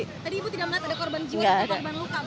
tadi ibu tidak melihat ada korban jiwa atau korban luka